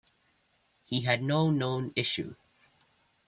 He had no known issue.